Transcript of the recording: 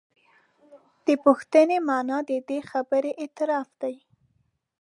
د پوښتنې معنا د دې خبرې اعتراف دی.